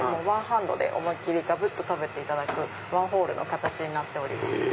ワンハンドで思いっ切りガブっと食べていただくワンホールの形になっております。